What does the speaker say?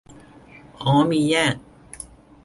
อ้อ มีแยก